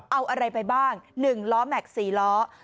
เอาอะไรไปบ้าง๑ล้อแม็กซ์๔ล้อ